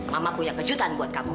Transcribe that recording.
mama punya kejutan buat kamu